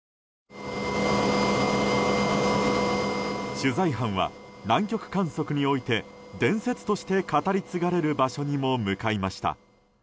取材班は南極観測において伝説として語り継がれる場所にも向かいました。